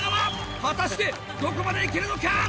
果たしてどこまでいけるのか？